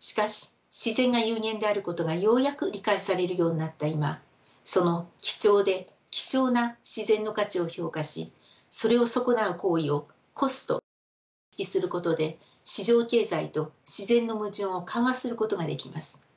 しかし自然が有限であることがようやく理解されるようになった今その貴重で希少な自然の価値を評価しそれを損なう行為をコストと認識することで市場経済と自然の矛盾を緩和することができます。